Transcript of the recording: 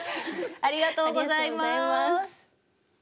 ありがとうございます。